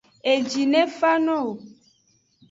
Eji ne fa no wo.